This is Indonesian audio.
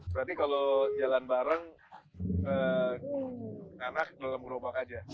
berarti kalau jalan bareng anak dalam gerobak aja